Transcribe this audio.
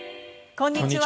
こんにちは。